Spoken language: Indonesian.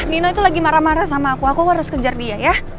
nino itu lagi marah marah sama aku aku harus kejar dia ya